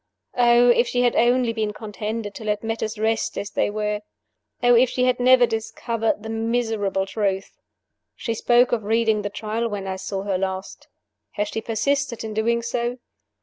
Oh, if she had only been contented to let matters rest as they were! Oh, if she had never discovered the miserable truth! "She spoke of reading the Trial when I saw her last. Has she persisted in doing so?